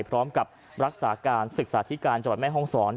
พร้อมกับรักษาการศึกษาธิการจังหวัดแม่ห้องศร